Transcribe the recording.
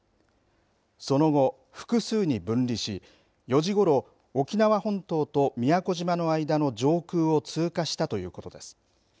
その後、複数に分離し４時ごろ沖縄本島と宮古島の間の上空を通過したということです。